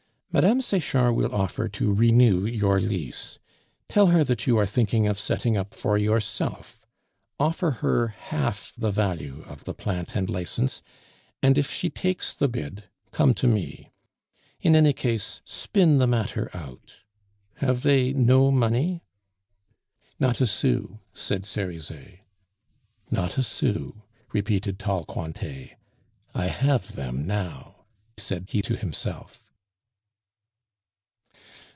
Mme. Sechard will offer to renew your lease; tell her that you are thinking of setting up for yourself. Offer her half the value of the plant and license, and, if she takes the bid, come to me. In any case, spin the matter out. ... Have they no money?" "Not a sou," said Cerizet. "Not a sou," repeated tall Cointet. "I have them now," said he to himself.